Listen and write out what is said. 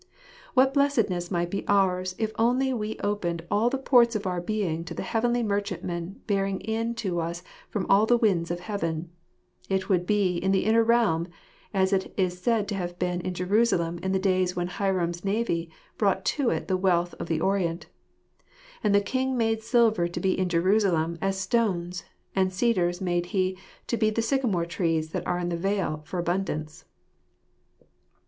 What blessedness might be ours if only we opened all the ports of our being to the heavenly merchantmen bearing in to us from all the winds of heaven S It would be in the inner realm, as it is said to have been in Jerusalem in the days when Hiram's navy brought to it the wealth of the Orient : w And the king made silver to be in Jerusalem as stones ; and cedars made he to be as the sycomore trees that are in the vale, for abundance."